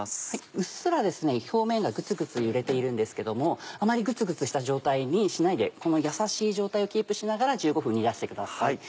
うっすら表面がグツグツ揺れているんですけどあまりグツグツした状態にしないでこのやさしい状態をキープしながら１５分煮出してください。